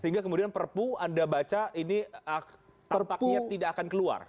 sehingga kemudian perpu anda baca ini tampaknya tidak akan keluar